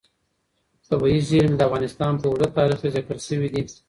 طبیعي زیرمې د افغانستان په اوږده تاریخ کې ذکر شوی دی.